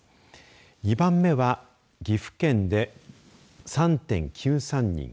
２番目は岐阜県で３．９３人。